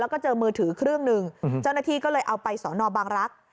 แล้วก็เจอมือถือเครื่องหนึ่งเจ้าหน้าที่ก็เลยเอาไปสอนอบางรักษ์